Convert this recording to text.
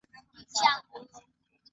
nakuombea upate muda wa kutembelea isimila